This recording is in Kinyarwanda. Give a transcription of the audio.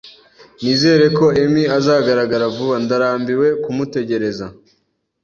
Nizere ko Emi azagaragara vuba. Ndarambiwe kumutegereza.